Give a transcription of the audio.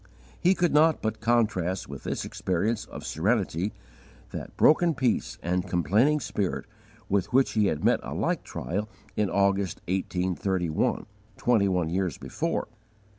He could not but contrast with this experience of serenity, that broken peace and complaining spirit with which he had met a like trial in August, 1831, twenty one years before.